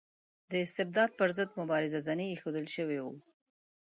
د استبداد پر ضد مبارزه زڼي ایښودل شوي وو.